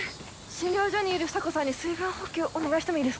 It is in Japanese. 診療所にいる房子さんに水分補給お願いしてもいいですか？